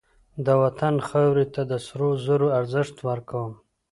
زه د وطن خاورې ته د سرو زرو ارزښت ورکوم